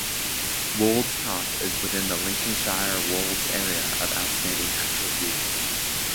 Wolds Top is within the Lincolnshire Wolds Area of Outstanding Natural Beauty.